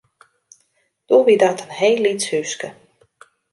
Doe wie dat in heel lyts húske.